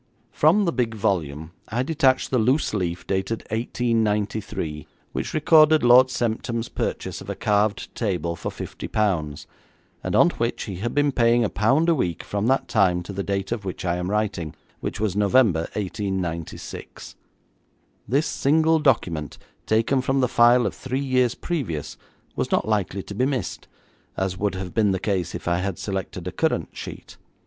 From the big volume I detached the loose leaf, dated 1893, which recorded Lord Semptam's purchase of a carved table for fifty pounds, and on which he had been paying a pound a week from that time to the date of which I am writing, which was November, 1896. This single document taken from the file of three years previous, was not likely to be missed, as would have been the case if I had selected a current sheet.